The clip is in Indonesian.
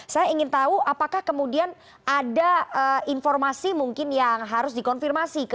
saya ingin tahu apakah kemudian ada informasi mungkin yang harus dikonfirmasi